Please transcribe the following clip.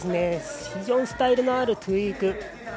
非常にスタイルのあるトゥイーク。